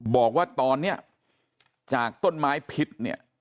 บอกว่าตอนนี้จากต้นไม้พิษเนี่ย